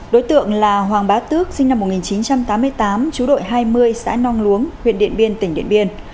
đối tượng là hoàng bá tước sinh năm một nghìn chín trăm tám mươi tám chú đội hai mươi xã nong luống huyện điện biên tỉnh điện biên